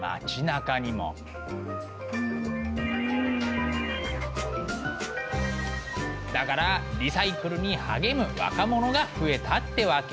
だからリサイクルに励む若者が増えたってわけ。